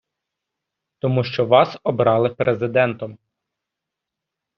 Тому що Вас обрали Президентом.